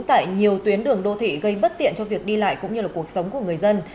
tại nhiều tuyến đường đô thị gây bất tiện cho việc đi lại cũng như là cuộc sống của người dân